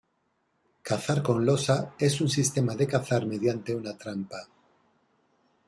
Cazar con losa es un sistema de cazar mediante una trampa.